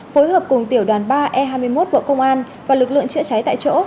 phối hợp cùng tiểu đoàn ba e hai mươi một bộ công an và lực lượng chữa cháy tại chỗ